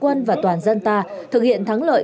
quân và toàn dân ta thực hiện thắng lợi